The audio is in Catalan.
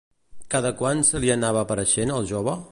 Cada quant se li anava apareixent al jove?